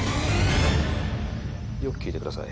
よく聞いてください